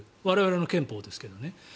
我々の憲法ですけどね。